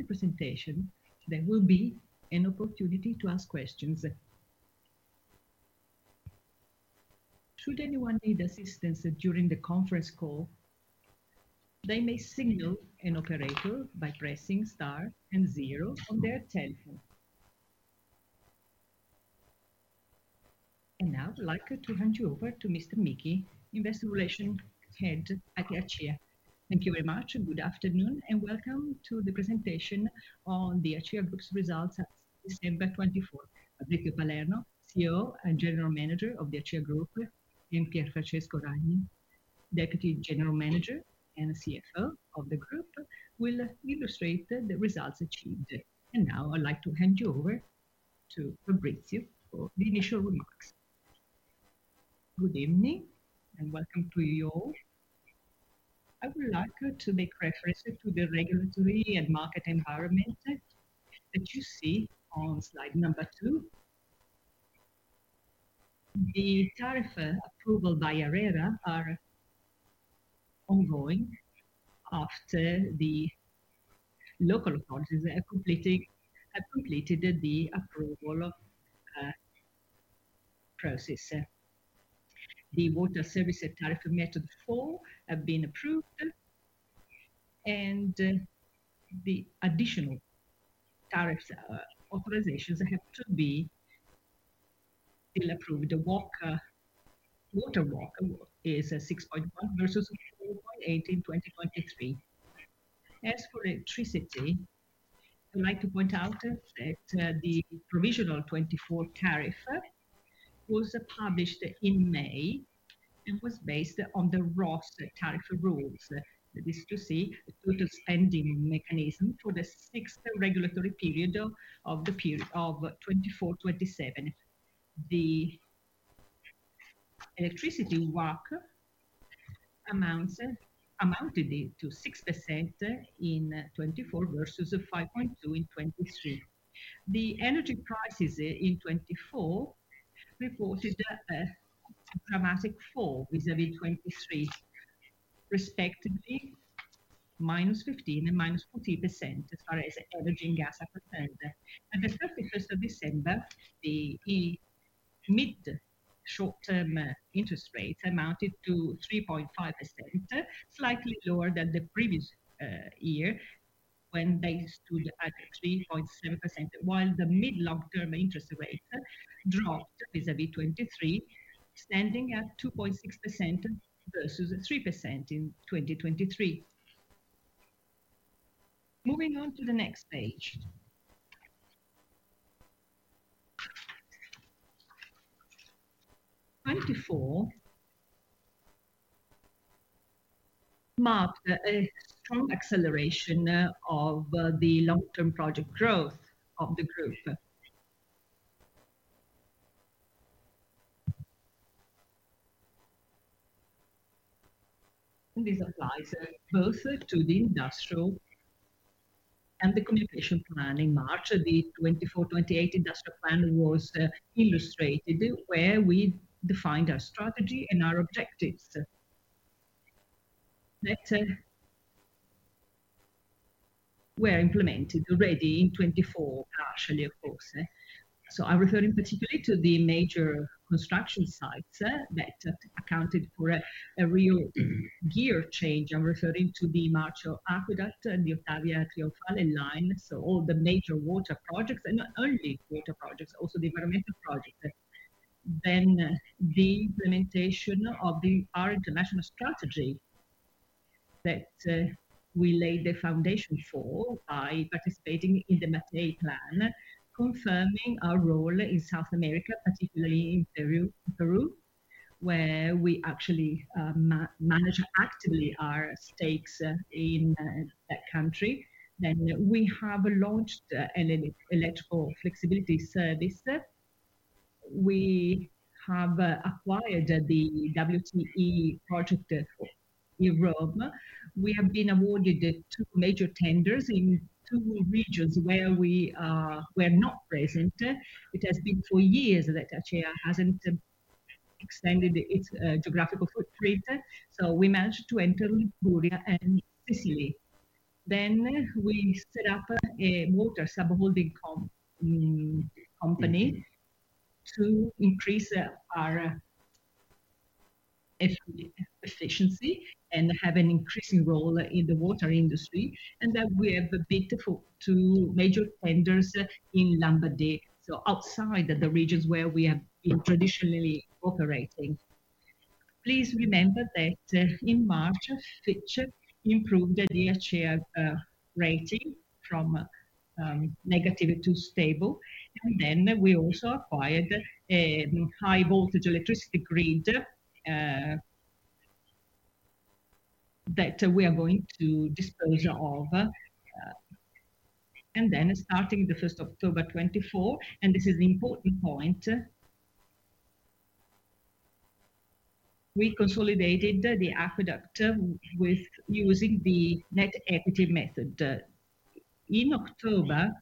After the presentation, there will be an opportunity to ask questions. Should anyone need assistance during the conference call, they may signal an operator by pressing star and zero on their telephone. Now I'd like to hand you over to Mr. Michi, Investor Relations Head at ACEA. Thank you very much, and good afternoon, and welcome to the presentation on the ACEA Group's results at December 2024. Fabrizio Palermo, CEO and General Manager of the ACEA Group, and Pier Francesco Ragni, Deputy General Manager and CFO of the Group, will illustrate the results achieved. Now I'd like to hand you over to Fabrizio for the initial remarks. Good evening and welcome to you all. I would like to make reference to the regulatory and market environment that you see on slide number two. The tariff approval by ARERA is ongoing after the local authorities have completed the approval process. The water service tariff method four has been approved, and the additional tariff authorizations have to be still approved. The water WACC is 6.1% versus 18% in 2023. As for electricity, I'd like to point out that the provisional 2024 tariff was published in May and was based on the ROSS tariff rules. This is to see the total spending mechanism for the sixth regulatory period of 2024-2027. The electricity WACC amounted to 6% in 2024 versus 5.2% in 2023. The energy prices in 2024 reported a dramatic fall vis-à-vis 2023, respectively minus 15% and minus 40% as far as energy and gas are concerned. At the 31st of December, the mid-short-term interest rates amounted to 3.5%, slightly lower than the previous year when they stood at 3.7%, while the mid-long-term interest rate dropped vis-à-vis 2023, standing at 2.6% versus 3% in 2023. Moving on to the next page. 2024 marked a strong acceleration of the long-term project growth of the group. This applies both to the industrial and the communication plan. In March, the 2024-2028 industrial plan was illustrated, where we defined our strategy and our objectives that were implemented already in 2024, partially, of course. I am referring particularly to the major construction sites that accounted for a real gear change. I am referring to the Marcio Aqueduct and the Ottavia-Trionfale line, so all the major water projects, and not only water projects, also the governmental projects. The implementation of our international strategy that we laid the foundation for by participating in the Mattei Plan, confirming our role in South America, particularly in Peru, where we actually manage actively our stakes in that country. We have launched an electrical flexibility service. We have acquired the WTE project in Rome. We have been awarded two major tenders in two regions where we were not present. It has been four years that ACEA hasn't extended its geographical footprint, so we managed to enter Liguria and Sicily. We set up a water sub-holding company to increase our efficiency and have an increasing role in the water industry, and we have bid for two major tenders in Lombardia, so outside the regions where we have been traditionally operating. Please remember that in March, Fitch improved the ACEA rating from negative to stable. We also acquired a high-voltage electricity grid that we are going to dispose of. Starting the 1st of October 2024, and this is an important point, we consolidated the aqueduct using the net equity method. In October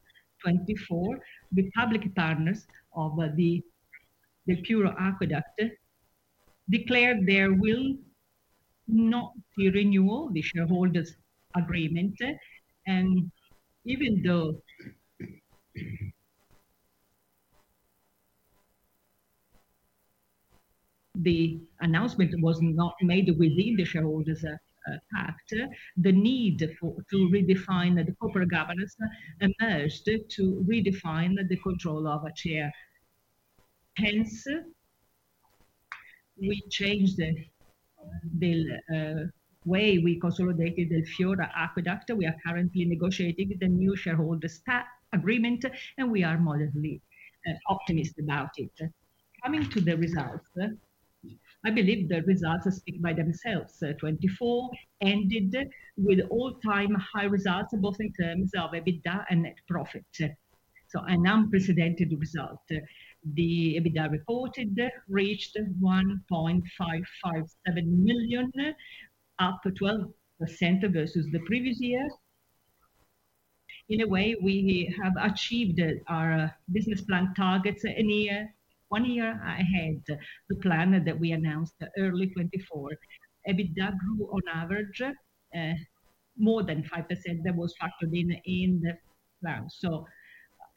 2024, the public partners of the Acquedotto del Fiora declared their will not to renew the shareholders' agreement, and even though the announcement was not made within the shareholders' act, the need to redefine the corporate governance emerged to redefine the control of ACEA. Hence, we changed the way we consolidated the Acquedotto del Fiora. We are currently negotiating the new shareholders' agreement, and we are moderately optimistic about it. Coming to the results, I believe the results speak by themselves. 2024 ended with all-time high results, both in terms of EBITDA and net profit. An unprecedented result. The EBITDA reported reached 1.557 billion, up 12% versus the previous year. In a way, we have achieved our business plan targets one year ahead of the plan that we announced early 2024. EBITDA grew on average more than 5% than what was factored in the plan.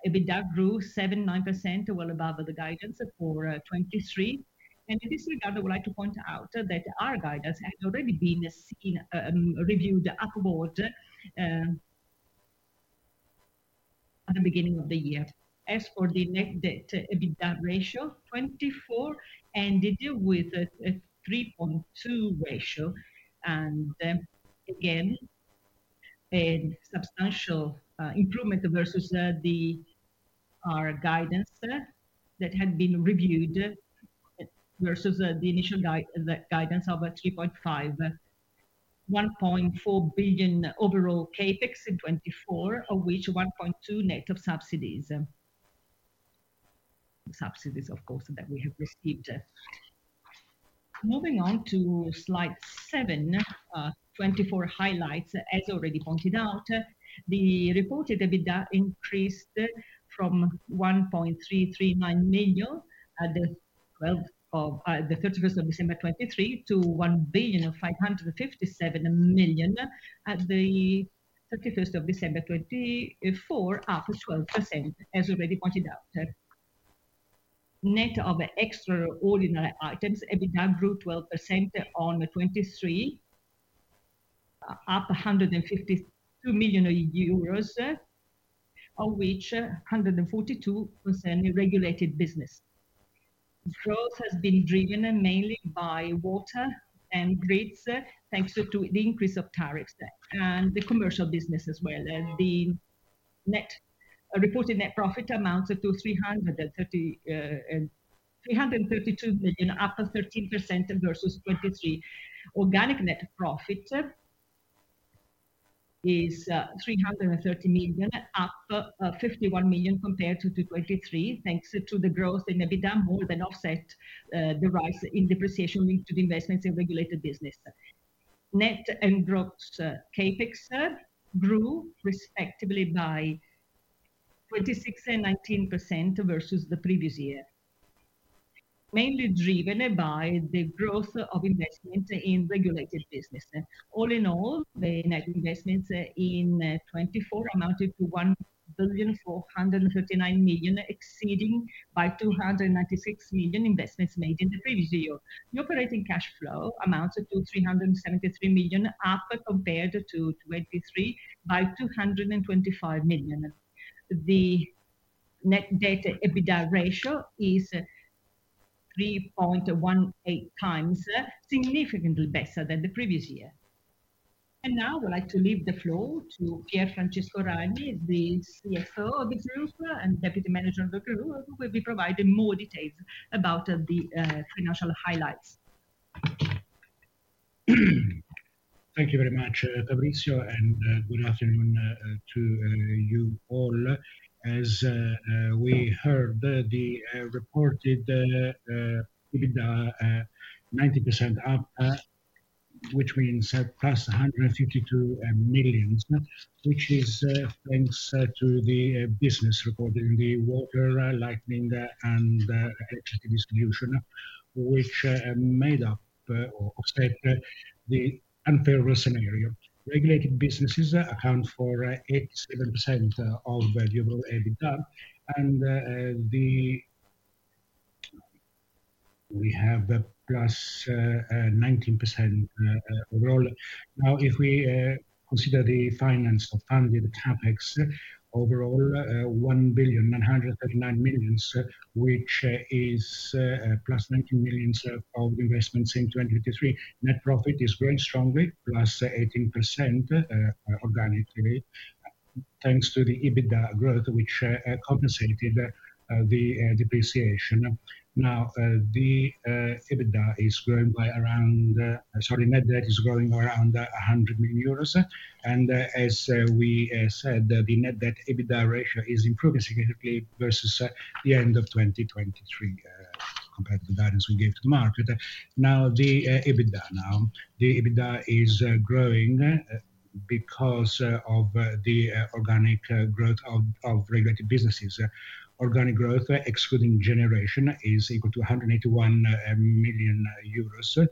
EBITDA grew 7-9%, well above the guidance for 2023. In this regard, I would like to point out that our guidance had already been reviewed upward at the beginning of the year. As for the net debt ratio, 2024 ended with a 3.2 ratio, and again, a substantial improvement versus our guidance that had been reviewed versus the initial guidance of 3.5. 1.4 billion overall CapEx in 2024, of which 1.2 billion net of subsidies. Subsidies, of course, that we have received. Moving on to slide 7, 2024 highlights. As already pointed out, the reported EBITDA increased from 1,339 million at the 31st of December 2023 to 1,557 million at the 31st of December 2024, up 12%, as already pointed out. Net of extraordinary items, EBITDA grew 12% on 2023, up EUR 152 million, of which 142% regulated business. Growth has been driven mainly by water and grids, thanks to the increase of tariffs and the commercial business as well. The reported net profit amounts to 332 million, up 13% versus 2023. Organic net profit is 330 million, up 51 million compared to 2023, thanks to the growth in EBITDA more than offset the rise in depreciation linked to the investments in regulated business. Net and gross CapEx grew respectively by 26% and 19% versus the previous year, mainly driven by the growth of investment in regulated business. All in all, the net investments in 2024 amounted to 1 billion 439 million, exceeding by 296 million investments made in the previous year. The operating cash flow amounts to 373 million, up compared to 2023 by 225 million. The net debt/EBITDA ratio is 3.18 times, significantly better than the previous year. I would like to leave the floor to Pier Francesco Ragni, the CFO of the group and Deputy Manager of the group, who will be providing more details about the financial highlights. Thank you very much, Fabrizio, and good afternoon to you all. As we heard, the reported EBITDA is 90% up, which means plus 152 million, which is thanks to the business reported in the water, lighting, and electricity distribution, which made up, offset, the unfavorable scenario. Regulated businesses account for 87% of variable EBITDA, and we have plus 19% overall. Now, if we consider the finance of funded CapEx, overall 1,939 million, which is plus 19 million of investments in 2023, net profit is growing strongly, plus 18% organically, thanks to the EBITDA growth, which compensated the depreciation. Now, the EBITDA is growing by around, sorry, net debt is growing around 100 million euros. As we said, the net debt/EBITDA ratio is improving significantly versus the end of 2023 compared to the guidance we gave to market. Now, the EBITDA now, the EBITDA is growing because of the organic growth of regulated businesses. Organic growth, excluding generation, is equal to 181 million euros.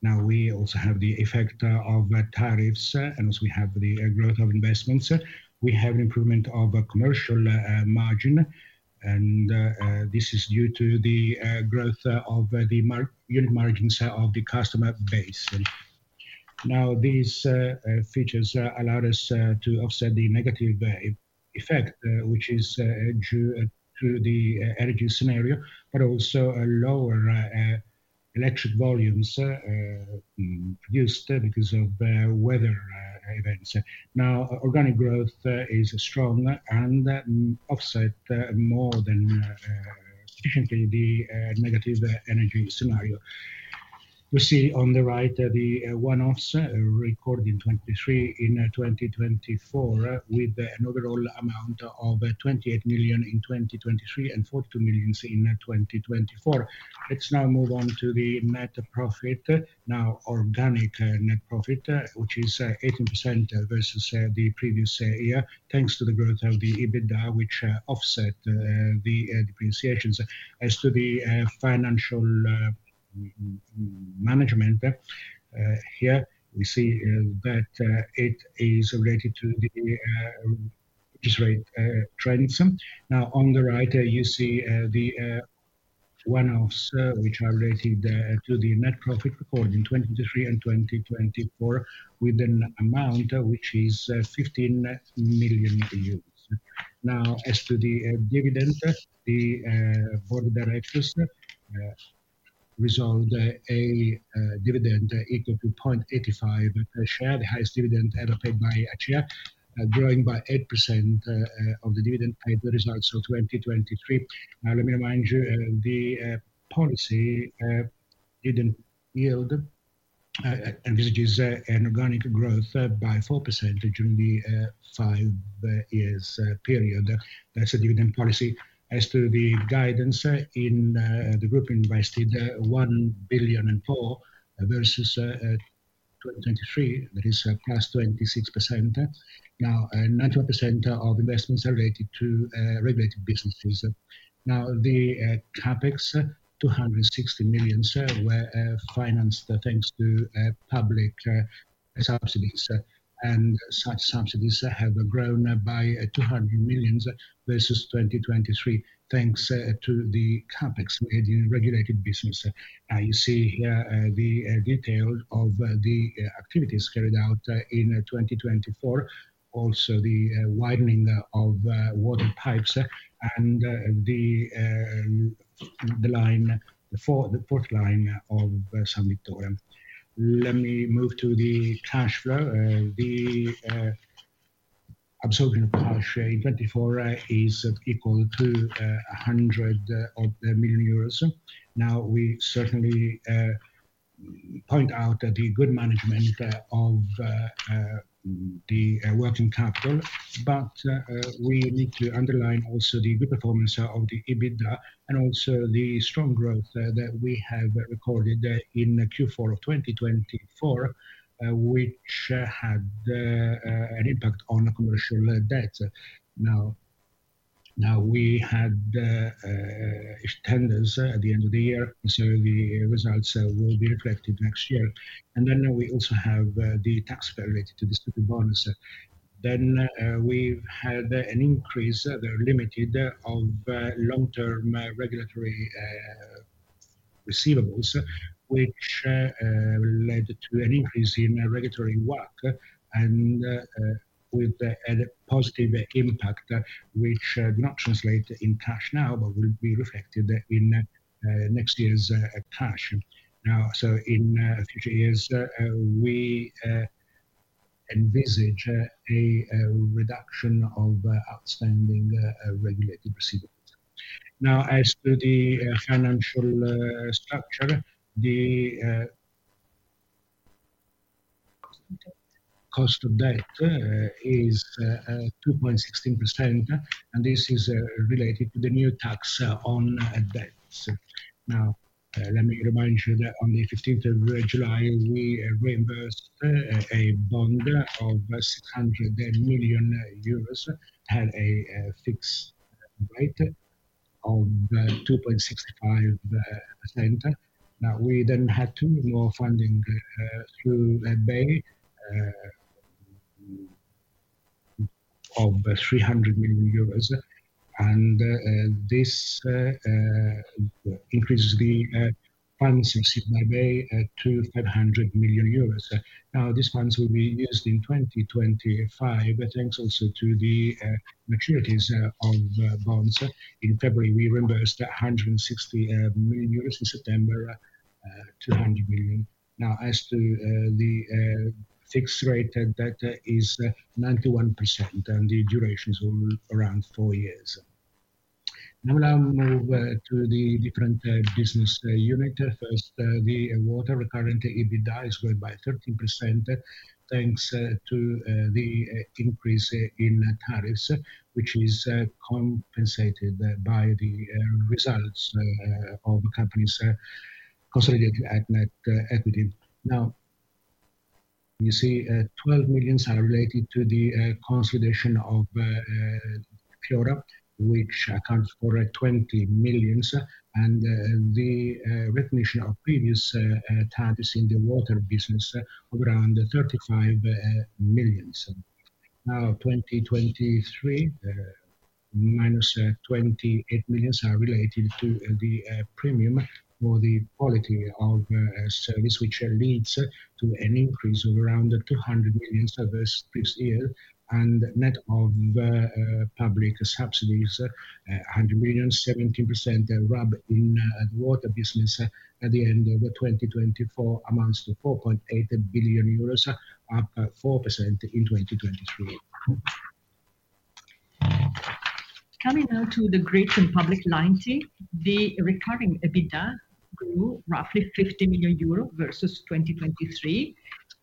Now, we also have the effect of tariffs, and also we have the growth of investments. We have an increment of commercial margin, and this is due to the growth of the unit margins of the customer base. Now, these features allow us to offset the negative effect, which is due to the energy scenario, but also lower electric volumes used because of weather events. Now, organic growth is strong and offsets more than sufficiently the negative energy scenario. We see on the right the one-off record in 2023 in 2024, with an overall amount of 28 million in 2023 and 42 million in 2024. Let's now move on to the net profit. Now, organic net profit, which is 18% versus the previous year, thanks to the growth of the EBITDA, which offsets the depreciations. As to the financial management here, we see that it is related to the interest rate trends. Now, on the right, you see the one-offs which are related to the net profit record in 2023 and 2024, with an amount which is 15 million euros. Now, as to the dividend, the board of directors resolved a dividend equal to 0.85 per share, the highest dividend ever paid by ACEA, growing by 8% of the dividend paid results of 2023. Now, let me remind you, the policy did not yield, and this is an organic growth by 4% during the five-year period. That is a dividend policy. As to the guidance in the group, invested 1 billion and 4 versus 2023, that is plus 26%. Now, 91% of investments are related to regulated businesses. Now, the CapEx, 260 million, were financed thanks to public subsidies, and such subsidies have grown by 200 million versus 2023, thanks to the CapEx in regulated business. You see here the details of the activities carried out in 2024, also the widening of water pipes and the fourth line of San Vittore. Let me move to the cash flow. The absorption of cash in 2024 is equal to 100 million euros. Now, we certainly point out the good management of the working capital, but we need to underline also the good performance of the EBITDA and also the strong growth that we have recorded in Q4 of 2024, which had an impact on commercial debt. Now, we had tenders at the end of the year, so the results will be reflected next year. We also have the taxpayer-related distributed bonds. We had an increase that was limited of long-term regulatory receivables, which led to an increase in regulatory work and with a positive impact, which did not translate in cash now, but will be reflected in next year's cash. In future years, we envisage a reduction of outstanding regulated proceedings. As to the financial structure, the cost of debt is 2.16%, and this is related to the new tax on debts. Let me remind you that on the 15th of July, we reimbursed a bond of 610 million euros at a fixed rate of 2.65%. We then had two more funding through a EIB of EUR 300 million, and this increases the funds in my EIB to 500 million euros. These funds will be used in 2025, thanks also to the maturities of bonds. In February, we reimbursed 160 million euros. In September, 200 million. Now, as to the fixed rate, that is 91%, and the duration is around four years. Now, we'll move to the different business unit. First, the water recurrent EBITDA is grown by 13%, thanks to the increase in tariffs, which is compensated by the results of companies consolidated at net equity. Now, you see 12 million are related to the consolidation of Fiora, which accounts for 20 million, and the recognition of previous tariffs in the water business of around 35 million. Now, 2023, minus 28 million are related to the premium for the quality of service, which leads to an increase of around 200 million this year, and net of public subsidies, 100 million, 17% RAB in the water business at the end of 2024 amounts to 4.8 billion euros, up 4% in 2023. Coming now to the grids and Public Lighting, the recurring EBITDA grew roughly 50 million euro versus 2023,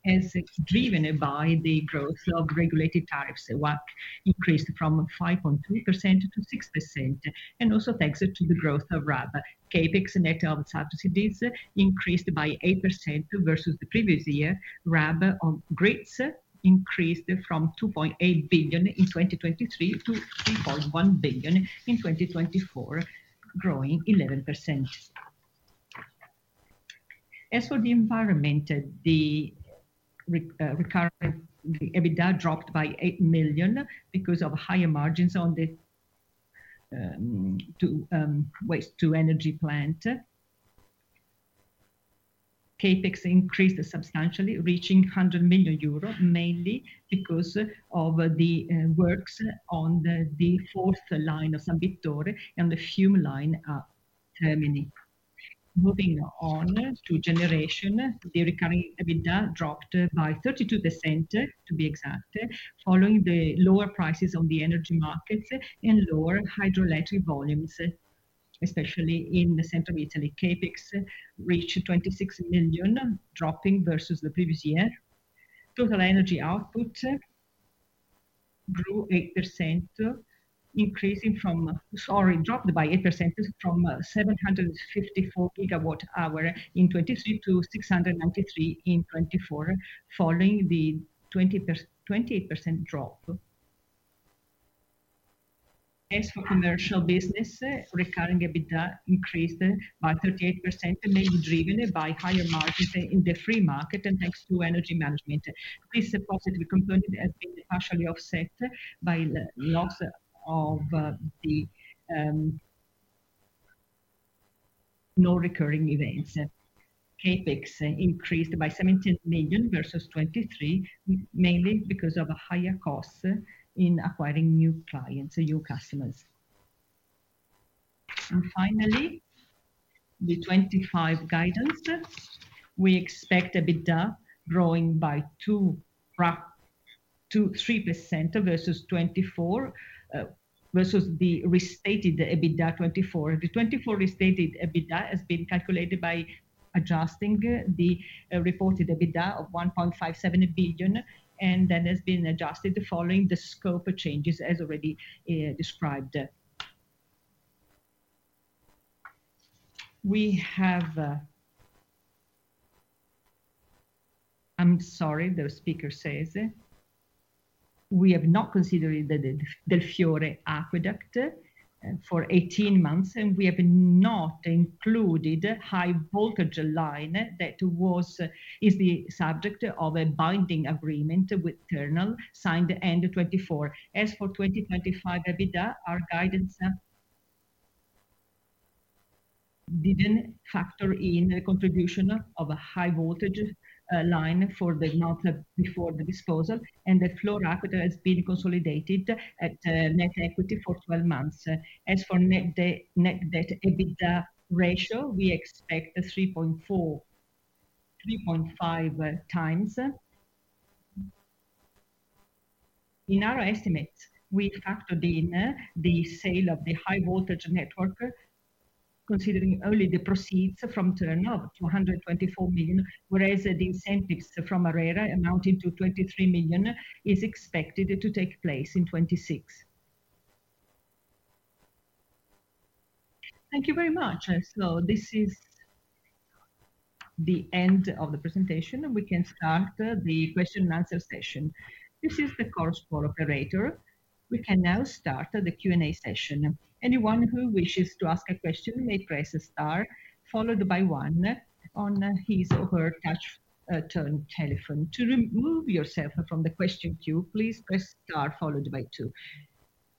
as driven by the growth of regulated tariffs, which increased from 5.3% to 6%, and also thanks to the growth of RAB. Capex net of subsidies increased by 8% versus the previous year. RAB on grids increased from 2.8 billion in 2023 to 3.1 billion in 2024, growing 11%. As for the environment, the recurrent EBITDA dropped by 8 million because of higher margins on the waste-to-energy plant. Capex increased substantially, reaching 100 million euros, mainly because of the works on the fourth line of San Vittore and the fume line terminal. Moving on to generation, the recurring EBITDA dropped by 32% to be exact, following the lower prices on the energy markets and lower hydroelectric volumes, especially in Central Italy. Capex reached 26 million, dropping versus the previous year. Total energy output grew 8%, increasing from, sorry, dropped by 8% from 754 gigawatt-hour in 2023 to 693 in 2024, following the 28% drop. As for commercial business, recurring EBITDA increased by 38%, mainly driven by higher margins in the free market and thanks to energy management. This positive component is partially offset by loss of the no recurring events. CapEx increased by 17 million versus 2023, mainly because of higher costs in acquiring new clients, new customers. Finally, the 2025 guidance, we expect EBITDA growing by 2% versus 2024, versus the restated EBITDA 2024. The 2024 restated EBITDA has been calculated by adjusting the reported EBITDA of 1.57 billion, and then has been adjusted following the scope of changes, as already described. We have, I'm sorry, the speaker says, we have not considered the del Fiora Aqueduct for 18 months, and we have not included high voltage line that was, is the subject of a binding agreement with Terna signed end 2024. As for 2025 EBITDA, our guidance didn't factor in the contribution of a high voltage line for the north before the disposal, and the Fiora Aqueduct has been consolidated at net equity for 12 months. As for net debt/EBITDA ratio, we expect 3.5 times. In our estimates, we factored in the sale of the high voltage network, considering only the proceeds from Terna of 224 million, whereas the incentives from ARERA amounting to 23 million is expected to take place in 2026. Thank you very much. This is the end of the presentation, and we can start the question and answer session. This is the course for operator. We can now start the Q&A session. Anyone who wishes to ask a question may press star followed by one on his or her touch tone telephone. To remove yourself from the question queue, please press star followed by two.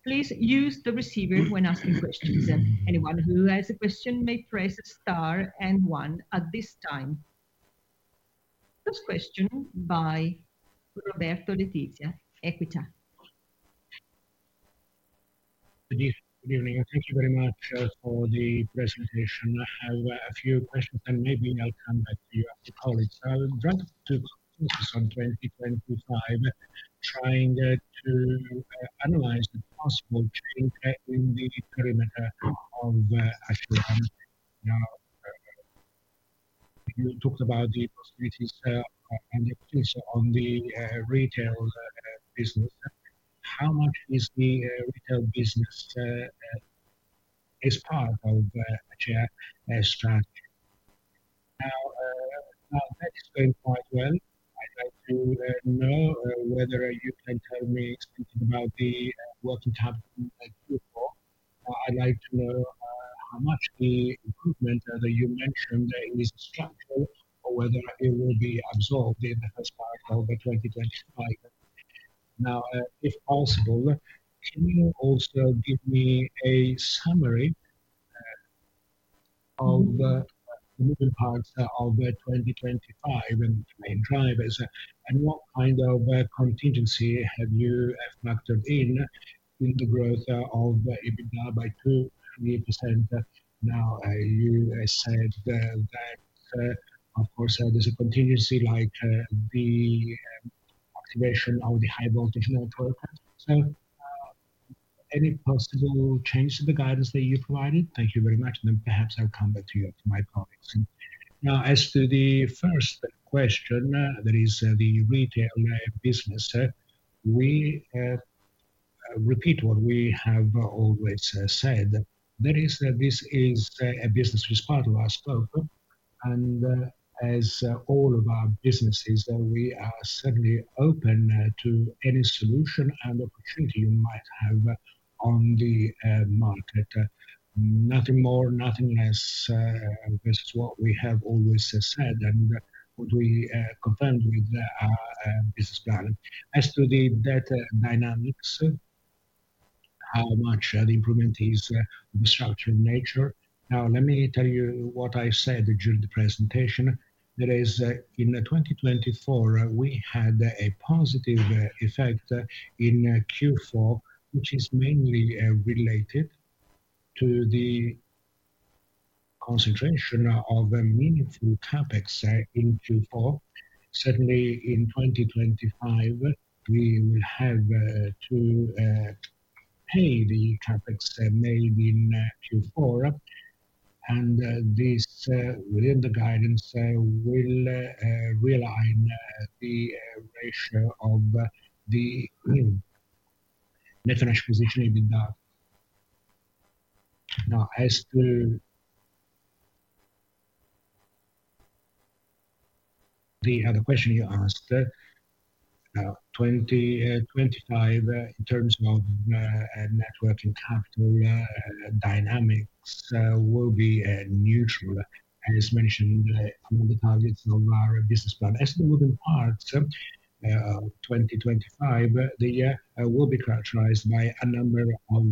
Please use the receiver when asking questions. Anyone who has a question may press star and one at this time. First question by Roberto Letizia, Equita. Good evening. Thank you very much for the presentation. I have a few questions, and maybe I'll come back to you, to colleagues. I'm interested in focus on 2025, trying to analyze the possible change in the perimeter of ACEA. You talked about the proceedings and the proceedings on the retail business. How much is the retail business as part of ACEA strategy? Now, that's been quite well. To know whether a good mentor may speak about the working time in the group, I'd like to know how much the equipment that you mentioned is trackable or whether it will be absorbed in the 2025. Now, if possible, can you also give me a summary of the moving parts of 2025 in five years, and what kind of contingency have you factored in in the growth of EBITDA by 23%? Now, you said that, of course, there's a contingency like the creation of the high voltage motor. Any possible change to the guidance that you've provided? Thank you very much, and then perhaps I'll come back to you and to my colleagues. Now, as to the first question, that is the retail business, we repeat what we have always said. That is, this is a business which is part of our scope, and as all of our businesses, we are certainly open to any solution and opportunity you might have on the market. Nothing more, nothing less, this is what we have always said and what we confirmed with our business plan. As to the debt dynamics, how much the improvement is of a structural nature. Now, let me tell you what I said during the presentation. That is, in 2024, we had a positive effect in Q4, which is mainly related to the concentration of meaningful CapEx in Q4. Certainly, in 2025, we will have to pay the CapEx made in Q4, and this will, the guidance will realign the ratio of the net exposed EBITDA. Now, as to the other question you asked, 2025, in terms of networking capital dynamics, will be neutral, as mentioned in the targets of our business plan. As for the moving parts, 2025, the year will be characterized by a number of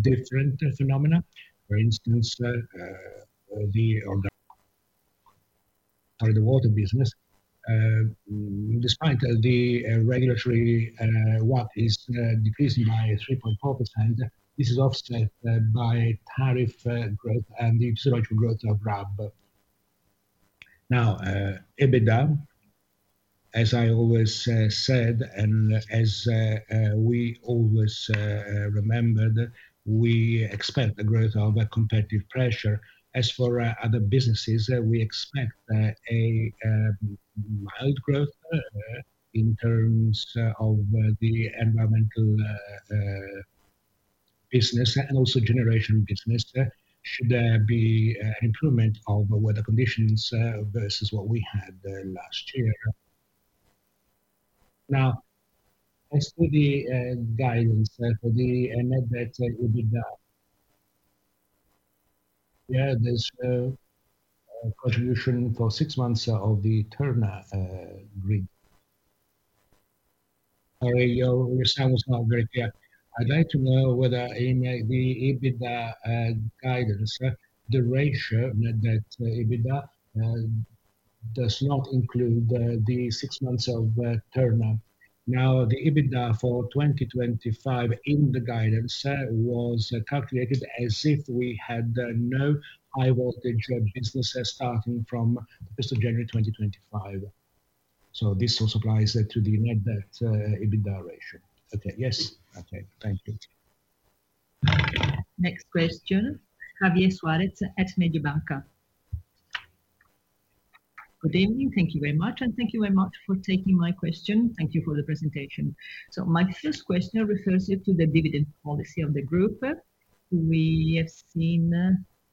different phenomena. For instance, the water business, despite the regulatory work, is decreasing by 3.4%. This is offset by tariff growth and the physiological growth of RAB. Now, EBITDA, as I always said, and as we always remembered, we expect the growth of competitive pressure. As for other businesses, we expect a mild growth in terms of the environmental business and also generation business. Should there be an improvement of weather conditions versus what we had last year? Now, as for the guidance for the net debt/EBITDA, there's a contribution for six months of the Terna grid. Your response is now very clear. I'd like to know whether in the EBITDA guidance, the ratio net debt/EBITDA does not include the six months of Terna. Now, the EBITDA for 2025 in the guidance was calculated as if we had no high voltage business starting from January 1, 2025. This also applies to the net debt/EBITDA ratio. Okay, yes. Okay, thank you. Next question, Javier Suarez at Mediobanca. Good evening. Thank you very much, and thank you very much for taking my question. Thank you for the presentation. My first question refers to the dividend policy of the group. We have seen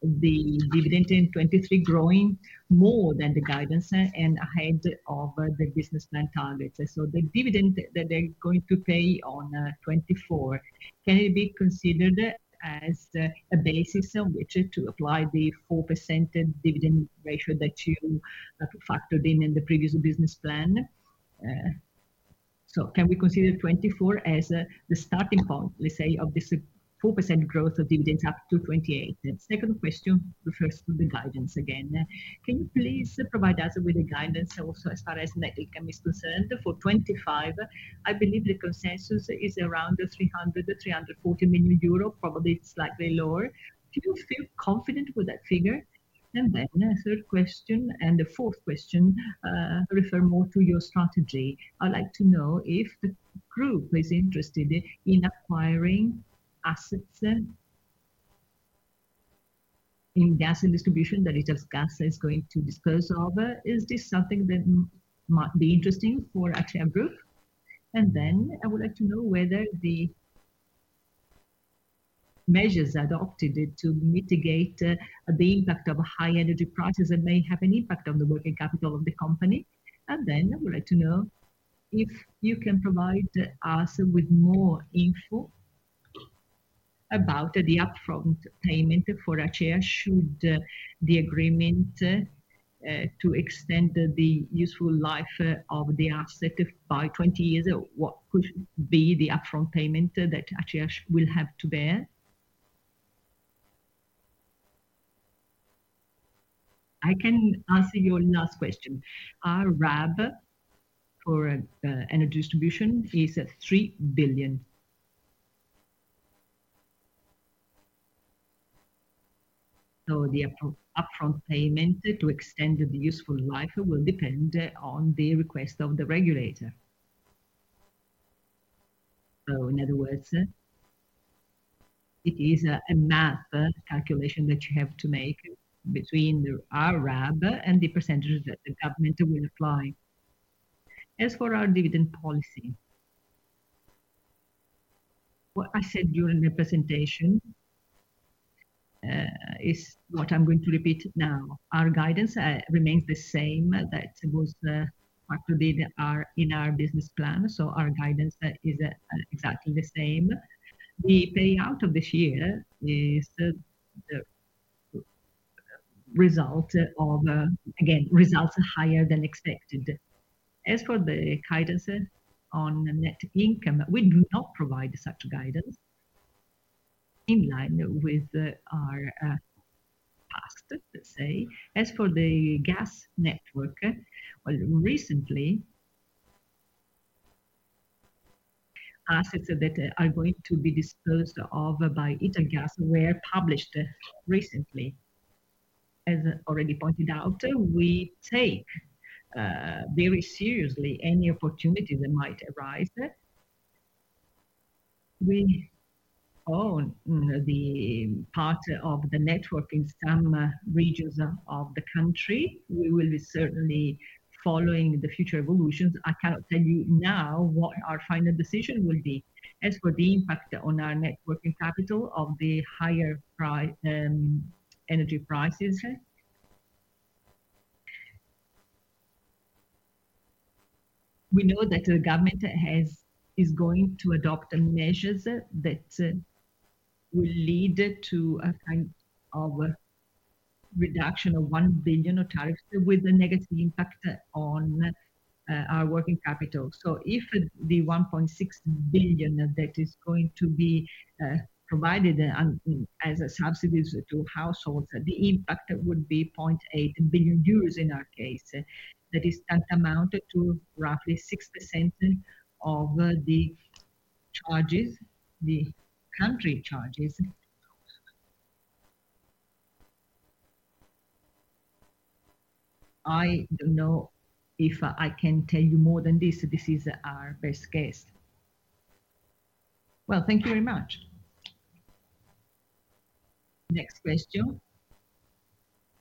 the dividend in 2023 growing more than the guidance and ahead of the business plan targets. The dividend that they are going to pay on 2024, can it be considered as a basis on which to apply the 4% dividend ratio that you factored in in the previous business plan? Can we consider 2024 as the starting point, let's say, of this 4% growth of dividends up to 2028? The second question refers to the guidance again. Can you please provide us with the guidance also as far as net income is concerned? For 2025, I believe the consensus is around 300 million-340 million euro, probably slightly lower. Do you feel confident with that figure? The third question and the fourth question refer more to your strategy. I'd like to know if the group is interested in acquiring assets in gas and distribution that Italgas is going to dispose of. Is this something that might be interesting for ACEA Group? I would like to know whether the measures adopted to mitigate the impact of high energy prices may have an impact on the working capital of the company. I would like to know if you can provide us with more info about the upfront payment for ACEA should the agreement to extend the useful life of the asset by 20 years. What could be the upfront payment that ACEA will have to bear? I can answer your last question. Our RAB for energy distribution is 3 billion. The upfront payment to extend the useful life will depend on the request of the regulator. In other words, it is a math calculation that you have to make between our RAB and the percentages that the government will apply. As for our dividend policy, what I said during the presentation is what I'm going to repeat now. Our guidance remains the same that was included in our business plan. Our guidance is exactly the same. The payout of this year is the result of, again, results higher than expected. As for the guidance on net income, we do not provide such guidance in line with our past, let's say. As for the gas network, recently, assets that are going to be disposed of by Italgas were published recently. As already pointed out, we take very seriously any opportunity that might arise. We own the part of the network in some regions of the country. We will be certainly following the future evolutions. I cannot tell you now what our final decision will be. As for the impact on our working capital of the higher energy prices, we know that the government is going to adopt measures that will lead to our reduction of 1 billion of tariffs with a negative impact on our working capital. If the 1.6 billion that is going to be provided as a subsidy to households, the impact would be 0.8 billion euros in our case. That is that amount to roughly 6% of the charges, the country charges. I do not know if I can tell you more than this. This is our best guess. Thank you very much. Next question,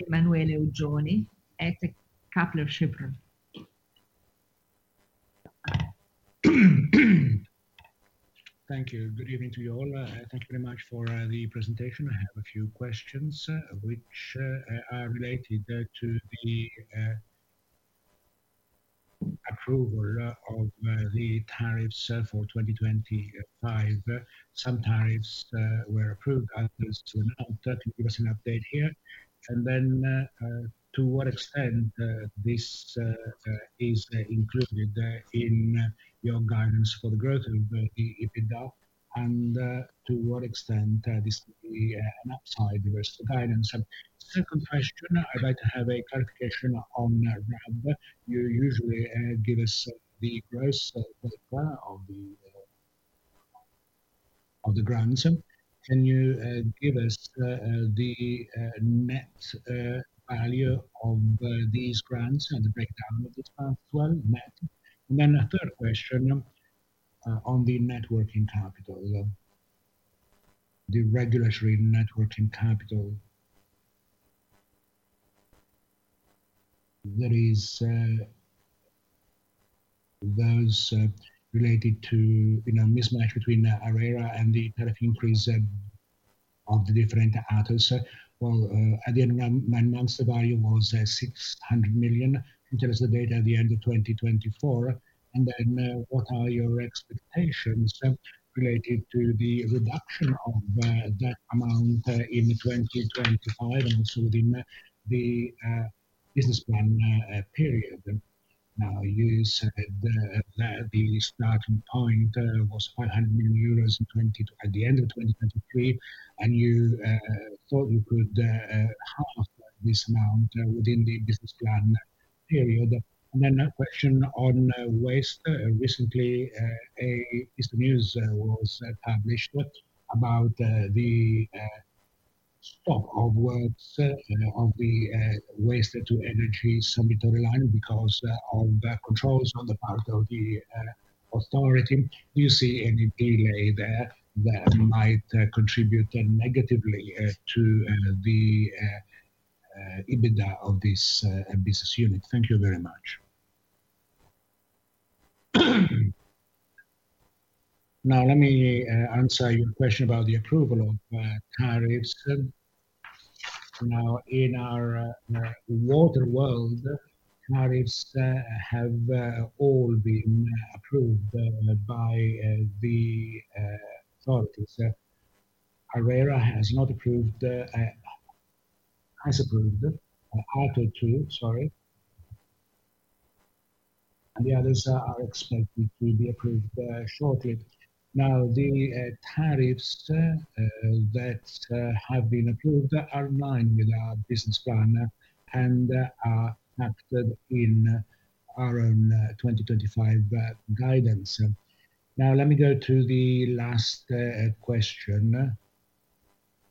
Emanuele Oggioni, Kepler Cheuvreux. Thank you. Good evening to you all. Thank you very much for the presentation. I have a few questions which are related to the approval of the tariffs for 2025. Some tariffs were approved and there is an update here. To what extent is this included in your guidance for the growth of EBITDA and to what extent is this an upside versus the guidance? Second question, I would like to have a clarification on RAB. You usually give us the gross data of the grants. Can you give us the net value of these grants and the breakdown of this path as well? A third question on the networking capital, the regulatory networking capital, that is those related to mismatch between ARERA and the tariff increase of the different actors. At the end of nine months, the value was 600 million. We get the data at the end of 2024. Now, what are your expectations related to the reduction of that amount in 2025 and also within the business plan period? You said that the starting point was 500 million euros at the end of 2023, and you thought you could half this amount within the business plan period. A question on waste. Recently, a piece of news was published about the stop of works of the waste-to-energy submittal line because of controls on the part of the authority. Do you see any delay there that might contribute negatively to the EBITDA of this business unit? Thank you very much. Now, let me answer your question about the approval of tariffs. In our water world, tariffs have all been approved by the authorities. ARERA has not approved, has approved, Acea Ato 2, sorry. The others are expected to be approved shortly. Now, the tariffs that have been approved are in line with our business plan and are captured in our own 2025 guidance. Now, let me go to the last question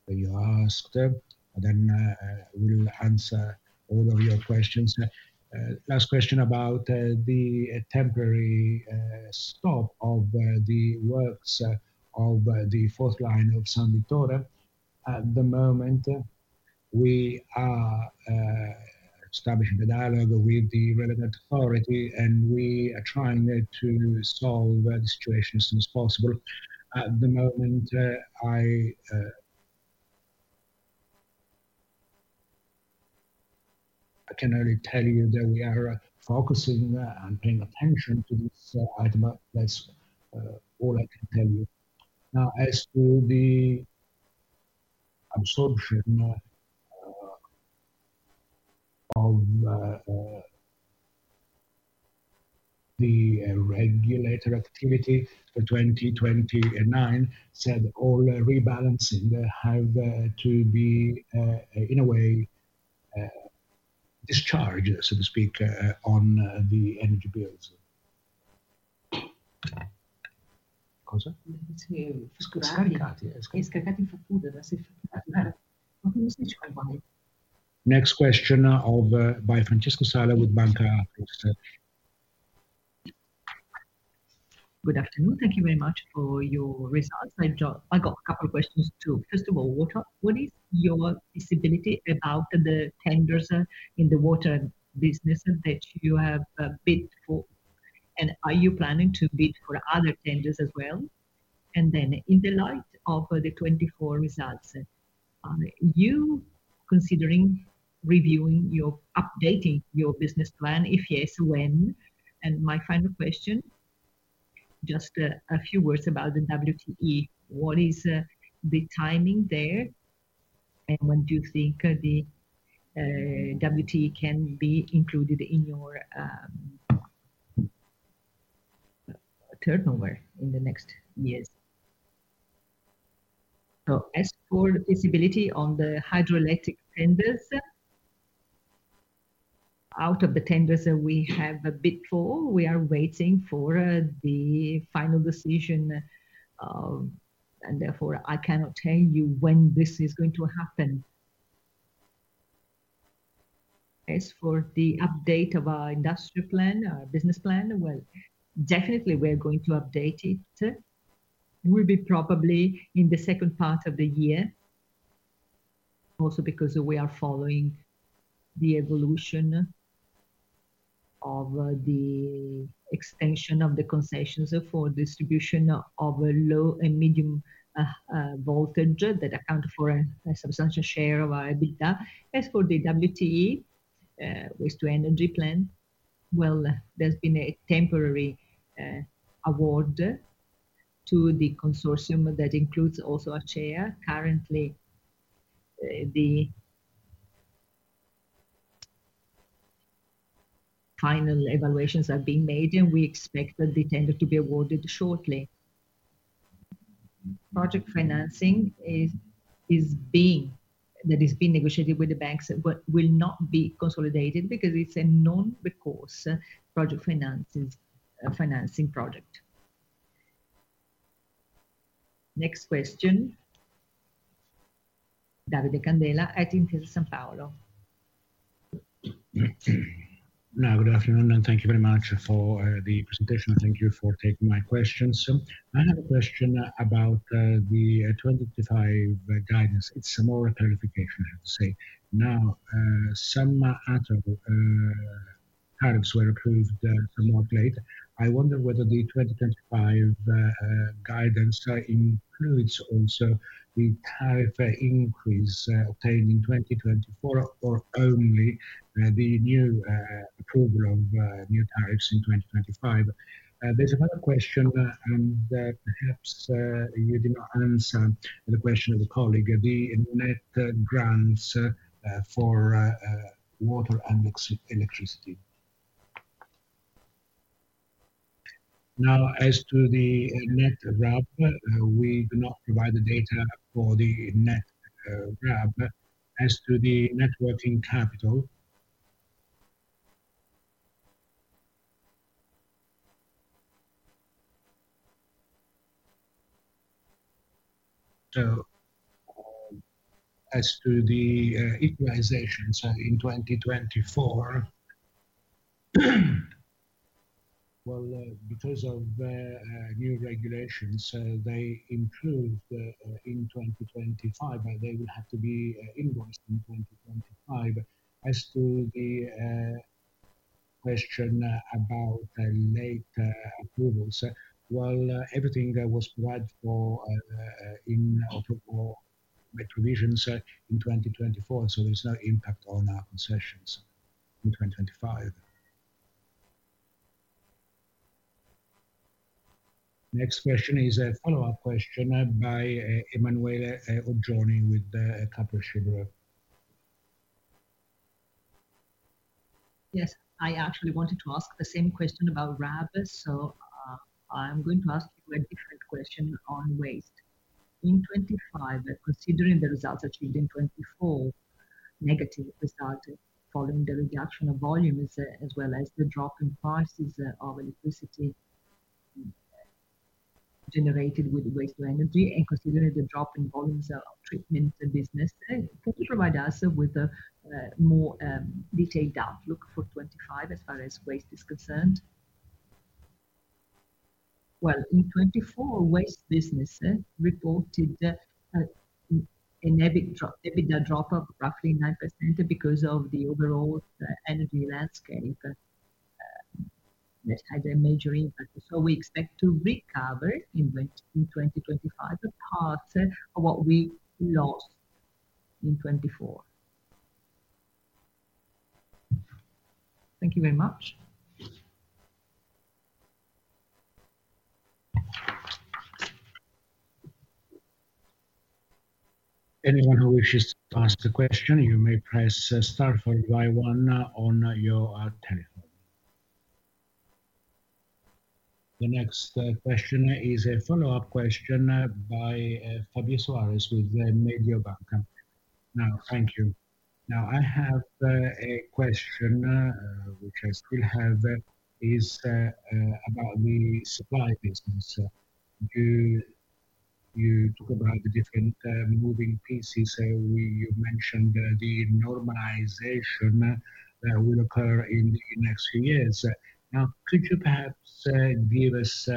you asked, and then we'll answer all of your questions. Last question about the temporary stop of the works of the fourth line of San Vittore. At the moment, we are establishing the dialogue with the relevant authority, and we are trying to solve the situation as soon as possible. At the moment, I can only tell you that we are focusing and paying attention to this item, but that's all I can tell you. Now, as for the absorption, the regulatory activity for 2029 said all rebalancing have to be, in a way, discharged, so to speak, on the energy bills. Next question by Francesco Sala with Banca Akros. Good afternoon. Thank you very much for your results. I got a couple of questions too. First of all, water, what is your visibility about the tenders in the water business that you have bid for? Are you planning to bid for other tenders as well? In the light of the 2024 results, are you considering reviewing or updating your business plan? If yes, when? My final question, just a few words about the WTE. What is the timing there? When do you think the WTE can be included in your turnover in the next years? As for visibility on the hydroelectric tenders, out of the tenders that we have bid for, we are waiting for the final decision, and therefore I cannot tell you when this is going to happen. As for the update of our industry plan, our business plan, definitely we're going to update it. We'll be probably in the second part of the year, also because we are following the evolution of the extension of the concessions for distribution of low and medium voltage that account for a substantial share of our EBITDA. As for the WTE, waste-to-energy plan, there's been a temporary award to the consortium that includes also ACEA currently. The final evaluations are being made, and we expect that the tender to be awarded shortly. Project financing that is being negotiated with the banks will not be consolidated because it's a non-recourse project financing project. Next question, Davide Candela, Intesa Sanpaolo. Now, good afternoon, and thank you very much for the presentation. Thank you for taking my questions. I have a question about the 2025 guidance. It's more a clarification, I have to say. Now, some tariffs were approved, some more late. I wonder whether the 2025 guidance includes also the tariff increase obtained in 2024 or only the new approval of new tariffs in 2025. There's a question in that perhaps you didn't answer the question of the colleague, the net grants for water and electricity. Now, as to the net RAB, we do not provide the data for the net RAB. As to the networking capital. As to the equalizations in 2024, because of new regulations, they improved in 2025, but they will have to be invoiced in 2025. As to the question about late approvals, everything was required for in October provisions in 2024, so there's no impact on our concessions in 2025. Next question is a follow-up question by Emanuele Oggioni. Yes, I actually wanted to ask the same question about RAB, so I'm going to ask you a different question on waste. In 2025, considering the results achieved in 2024, negative result following the reduction of volumes as well as the drop in prices of electricity generated with waste-to-energy and considering the drop in volumes of treatment business, could you provide us with more detailed outlook for 2025 as far as waste is concerned? In 2024, waste business reported an EBITDA drop of roughly 9% because of the overall energy landscape that had a major impact. We expect to recover in 2025 the path of what we lost in 2024. Thank you very much. Anyone who wishes to ask a question, you may press star four by one on your telephone. The next question is a follow-up question by Javier Suarez with Mediobanca. Now, thank you. Now, I have a question which I still have is about the supply business. You talk about the different moving pieces. You mentioned the normalization will occur in the next few years. Now, could you perhaps give us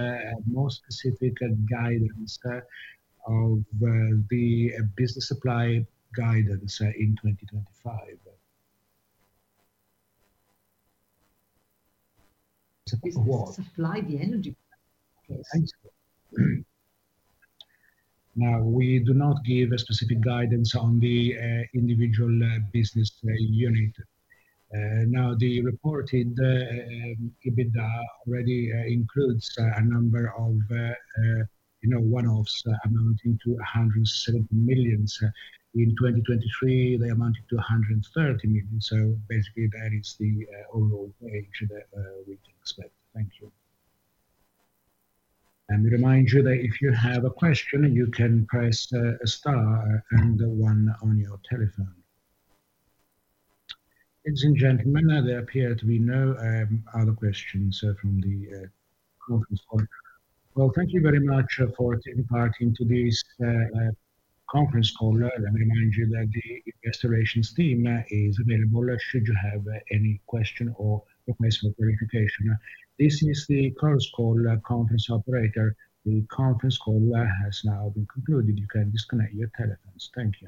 more specific guidance of the business supply guidance in 2025? Supply the energy. Now, we do not give a specific guidance on the individual business unit. Now, the reported EBITDA already includes a number of one-offs amounting to 107 million. In 2023, they amounted to 130 million. Basically, that is the overall wage that we can expect. Thank you. We remind you that if you have a question, you can press the star and the one on your telephone. Ladies and gentlemen, there appear to be no other questions from the audience. Thank you very much for taking part in today's conference call. Let me remind you that the restorations team is available should you have any question or request for clarification. This is the correspondence conference operator. The conference call has now been concluded. You can disconnect your telephones. Thank you.